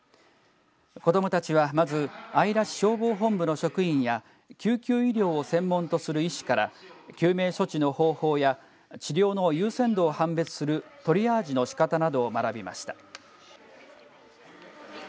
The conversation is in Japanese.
子どもたちはまず姶良市消防本部の職員や救急医療を専門とする医師から救命処置の方法や治療の優先度を判別するトリアージのしかたなどを学びました。